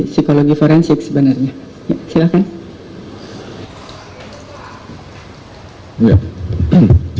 psikologi forensik sebenarnya silahkan